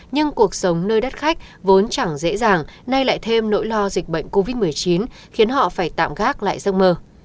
nhưng cuộc sống nơi đắt khách vốn chẳng dễ dàng nay lại thêm nỗi lo dịch bệnh covid một mươi chín khiến họ phải tạm gác lại giấc mơ